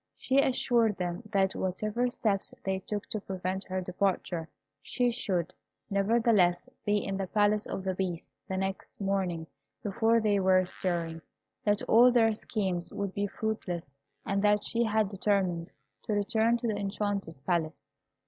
She assured them that whatever steps they took to prevent her departure, she should, nevertheless, be in the Palace of the Beast the next morning before they were stirring; that all their schemes would be fruitless; and that she had determined to return to the Enchanted Palace.